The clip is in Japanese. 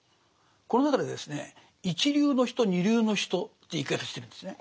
この中でですね一流の人二流の人という言い方してるんですね。